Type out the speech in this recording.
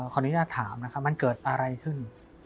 คนนี้จะถามมันเกิดอะไรขึ้น